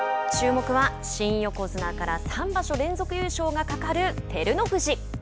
注目は新横綱から三場所連続優勝がかかる照ノ富士。